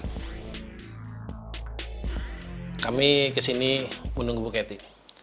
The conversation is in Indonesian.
kami kesini menunggu buketi